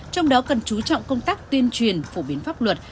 trong đó cần chú trọng công tác tuyên truyền phổ biến pháp luật